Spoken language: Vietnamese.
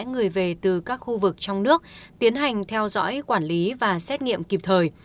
người về từ các khu vực trong nước tiến hành theo dõi quản lý và xét nghiệm kịp thời